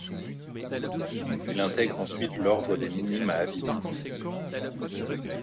Il intègre ensuite l'ordre des Minimes à Avignon.